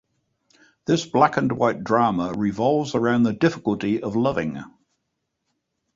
This black and white drama revolves around the difficulty of loving.